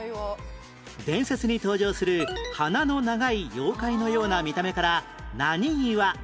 伝説に登場する鼻の長い妖怪のような見た目から何岩と呼ばれる？